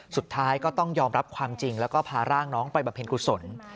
สุดท้ายก็ต้องยอมรับความจริงแล้วก็พาร่างน้องไปบำเพ็ญกุศล